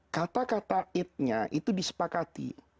kata kata idnya itu disepakati